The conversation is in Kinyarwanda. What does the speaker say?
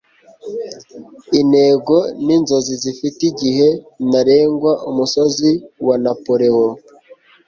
intego ni inzozi zifite igihe ntarengwa. - umusozi wa napoleon